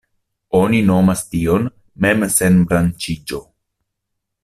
Oni nomas tion „mem-senbranĉiĝo“.